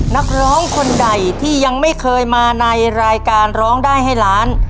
นักร้องคนใดที่ยังไม่เคยมาในรายการร้องได้ให้ล้าน